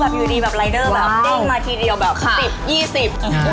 คือแบบอยู่ดีแบบลัยเด้อแบบเต้งมาทีเดียวแบบแบบ